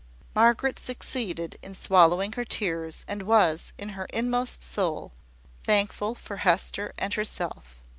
Margaret succeeded in swallowing her tears, and was, in her inmost soul, thankful for Hester and herself.